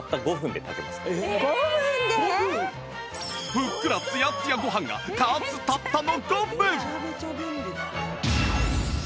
ふっくらつやつやごはんが加圧たったの５分！？